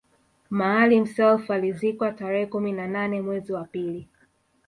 Maalim Self alizikwa tarehe kumi na nane mwezi wa pili